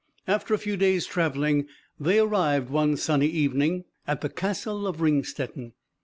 After a few days' travelling, they arrived, one sunny evening, at the Castle of Ringstetten.